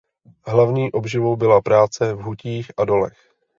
Hlavní obživou byla práce v hutích a dolech.